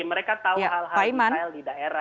mereka tahu hal hal yang terjadi di daerah